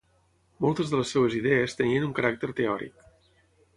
Moltes de les seves idees tenien un caràcter teòric.